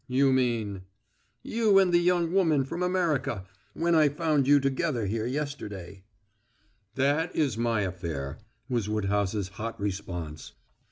"You mean " "You and the young woman from America when I found you together here yesterday " "That is my affair," was Woodhouse's hot response.